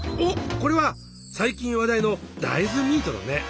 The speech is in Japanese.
これは最近話題の大豆ミートだね。